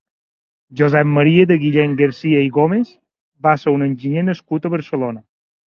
Josep Maria de Guillén-Garcia i Gómez va ser un enginyer nascut a Barcelona.